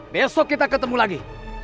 besok kita ketemu lagi